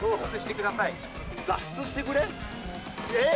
脱出してくれ？えっ？